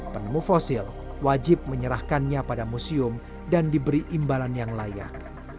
penemu fosil wajib menyerahkannya pada museum dan diberi imbalan yang layak